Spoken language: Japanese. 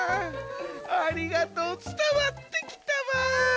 ありがとうつたわってきたわ。